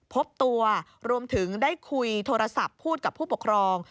พบตัวรวมถึงได้คุยโทรศัพท์พูดกับผู้ปกครอง